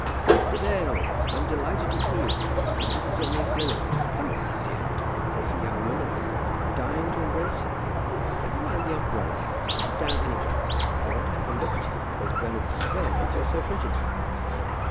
"Mr. Dale, I'm delighted to see you. And this is your niece Lily. Come up, my dear. There is a young woman upstairs, dying to embrace you. Never mind the umbrella. Put it down anywhere. I want to have a look at you, because Bernard swears that you're so pretty."